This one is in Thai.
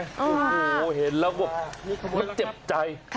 โอ้โหเห็นแล้วแบบมันเจ็บใจ